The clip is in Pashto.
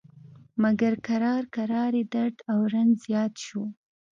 مګر کرار کرار یې درد او رنځ زیات شو.